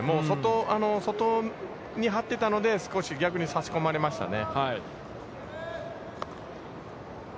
あの外に張っていたので少し逆にさしこまれましたね。